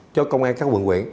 cho công an các quân huyện